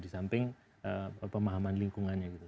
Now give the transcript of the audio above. di samping pemahaman lingkungannya gitu